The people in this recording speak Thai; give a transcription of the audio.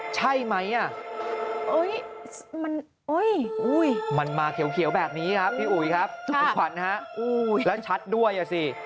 ใช่ไหมมันมาเขียวแบบนี้ครับพี่อุ๋ยครับทุกคุณขวัญฮะแล้วชัดด้วยอ่ะสิ